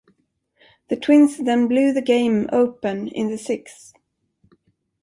The Twins then blew the game open in the sixth.